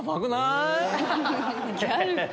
ギャルか！